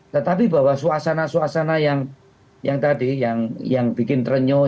tetapi bahwa suasana suasana yang tadi yang bikin terenyuh